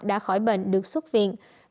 đã khỏi bệnh được xuất viện